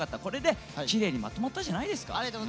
これできれいにまとまったじゃないですか。